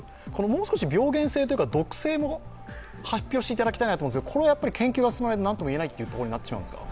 もう少し病原性というか毒性も発表していただきたいと思うんですが、これはやっぱり研究が進まないとなんともいえないというところになってしまうんですか？